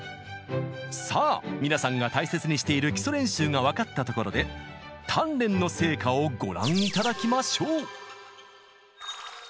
さあ皆さんが大切にしている基礎練習が分かったところで鍛錬の成果をご覧頂きましょう！